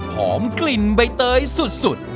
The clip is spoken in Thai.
กลิ่นใบเตยสุด